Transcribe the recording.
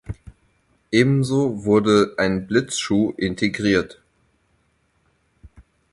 Ebenso wurde ein Blitzschuh integriert.